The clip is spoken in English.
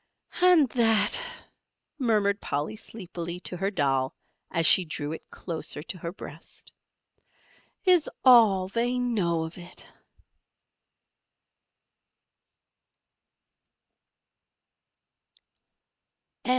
"And that," murmured Polly sleepily to her doll as she drew it closer to her breast, "is all that they know of it."